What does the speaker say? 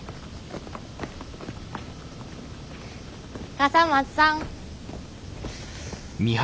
笠松さん。